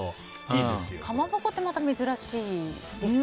かまぼこって珍しいですね。